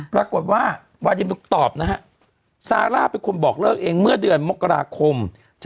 ปรากฏว่าวาดินตอบนะฮะซาร่าเป็นคนบอกเลิกเองเมื่อเดือนมกราคม